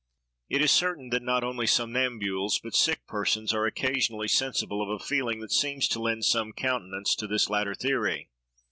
It is certain, that not only somnambules, but sick persons, are occasionally sensible of a feeling that seems to lend some countenance to this latter theory.